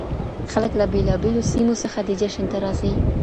خلک له بېلابېلو سیمو څخه دې جشن ته راځي.